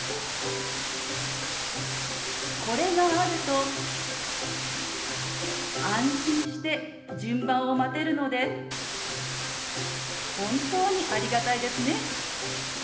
これがあると安心して順番を待てるので本当にありがたいですね。